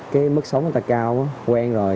cái mức sống của người ta cao quen rồi